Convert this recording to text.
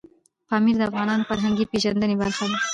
پامیر د افغانانو د فرهنګي پیژندنې برخه ده.